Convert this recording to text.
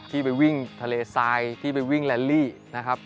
ที่ไปวิ่งทะเลทรายที่ไปวิ่งแลนลี่นะครับ